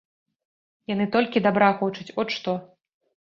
Яны толькі дабра хочуць, от што.